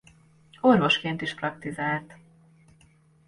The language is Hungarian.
Orvosként is praktizált.